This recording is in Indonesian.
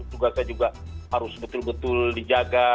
duga saya juga harus betul betul dijaga